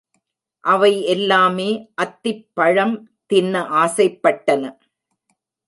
அவை எல்லாமே அத்திப் பழம் தின்ன ஆசைப்பட்டன.